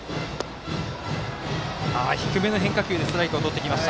低めの変化球でストライクとってきました。